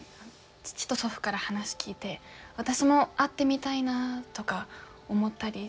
父と祖父から話聞いて私も会ってみたいなとか思ったりしたものですから。